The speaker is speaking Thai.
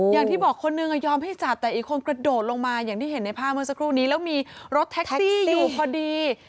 อย่างที่บอกคนนึงยอมให้จับแต่อีกคนกระโดดลงมาอย่างที่เห็นในภาพเมื่อสักครู่นี้แล้วมีรถแท็กซี่อยู่พอดี